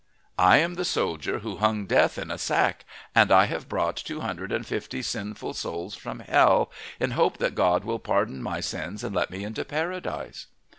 "I am the soldier who hung Death in a sack, and I have brought two hundred and fifty sinful souls from hell in hope that God will pardon my sins and let me into Paradise."